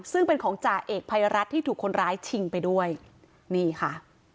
ซึ่งเป็นของจ่าเอกภัยรัฐที่ถูกคนร้ายชิงไปด้วยนี่ค่ะ